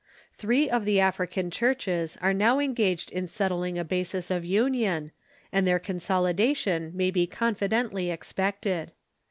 Three of the African Churches are now enffafifed in settling a basis of union, and their consolidation may be confidently expected.